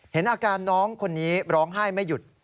เห็นอาการน้องคนนี้ร้องไห้ไม่หยุด